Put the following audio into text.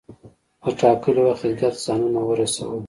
پر ټاکلي وخت عیدګاه ته ځانونه ورسول.